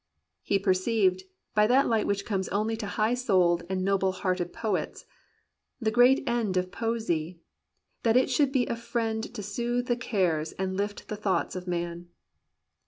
He perceived, by that light which comes only to high souled and noble hearted poets, "The great end Of poesy, that it should be a friend To soothe the cares and lift the thoughts of man."